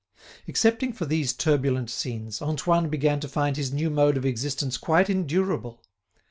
Excepting for these turbulent scenes, Antoine began to find his new mode of existence quite endurable.